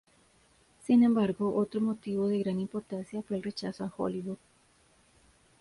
Sin embargo, otro motivo de gran importancia fue el rechazo a Hollywood.